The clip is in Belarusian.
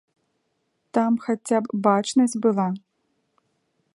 Там хаця б бачнасць была.